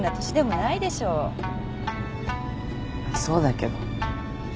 そうだけど。